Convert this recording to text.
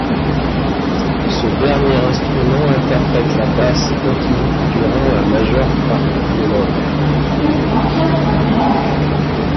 Ce dernier instrument interprète la basse continue durant la majeure partie de l'œuvre.